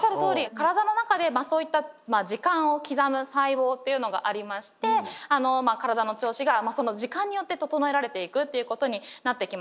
体の中でそういった時間を刻む細胞っていうのがありましてあの体の調子がその時間によって整えられていくっていうことになってきます。